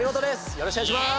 よろしくお願いします！